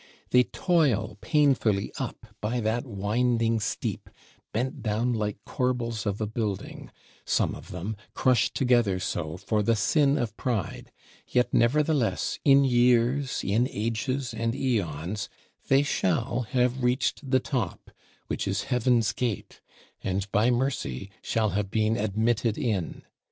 They toil painfully up by that winding steep, "bent down like corbels of a building," some of them, crushed together so "for the sin of pride"; yet nevertheless in years, in ages and æons, they shall have reached the top, which is Heaven's gate, and by Mercy shall have been admitted in.